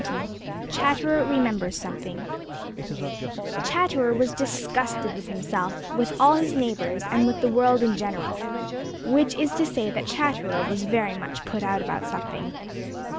*XX* *CHATTERER REMEMBERS SOMETHING* Chatterer was disgusted with himself, with all his neighbors, and with the world in general, which is to say that Chatterer was very much put out about something.